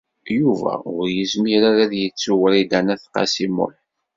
Yuba ur yezmir ara ad yettu Wrida n At Qasi Muḥ.